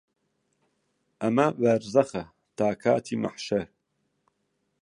ئەمە بەرزەخە تا کاتی مەحشەر